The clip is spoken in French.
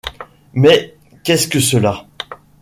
mais qu’est-ce que cela?